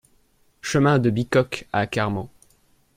Chemin de Bicoq à Carmaux